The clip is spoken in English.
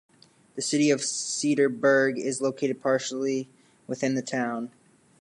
The City of Cedarburg is located partially within the town.